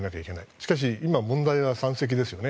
しかし、今問題は山積ですよね。